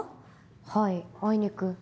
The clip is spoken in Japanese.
はいあいにく。